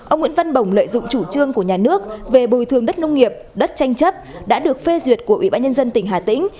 ông nguyễn văn bồng lợi dụng chủ trương của nhà nước về bồi thường đất nông nghiệp đất tranh chấp đã được phê duyệt của ủy ban nhân dân tỉnh hà tĩnh